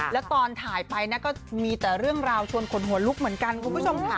แล้วตอนถ่ายไปนะก็มีแต่เรื่องราวชวนขนหัวลุกเหมือนกันคุณผู้ชมค่ะ